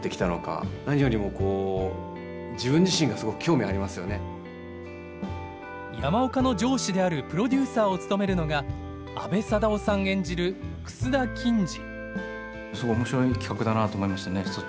演じるのは山岡の上司であるプロデューサーを務めるのが阿部サダヲさん演じる楠田欽治。